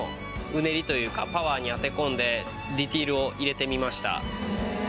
パワーに当て込んでディテールを入れてみました。